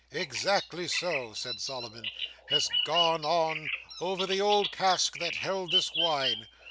"Exactly so," said Solomon: "has gone on, over the old cask that held this wine.